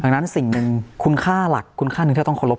ดังนั้นสิ่งหนึ่งคุณค่าหลักคุณค่าหนึ่งที่เราต้องเคารพ